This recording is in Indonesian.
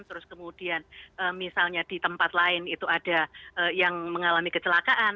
terus kemudian misalnya di tempat lain itu ada yang mengalami kecelakaan